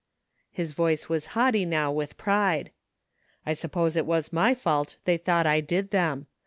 His voice was haughty now with pride. " I suppose it was my fault they thought I did them.